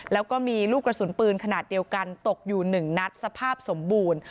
แล้วก็มีลูกกระสุนปืนขนาดเดียวกันตกอยู่๑นัดสภาพสมบูรณ์